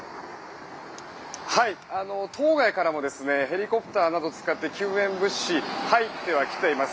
島外からもヘリコプターなどを使って救援物資、入ってはきています。